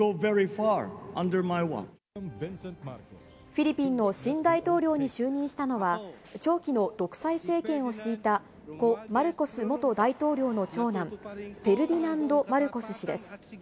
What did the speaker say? フィリピンの新大統領に就任したのは、長期の独裁政権を敷いた、故・マルコス元大統領の長男、フェルディナンド・マルコス氏です。